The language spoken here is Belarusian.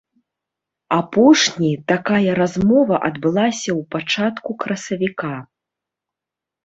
Апошні такая размова адбылася ў пачатку красавіка.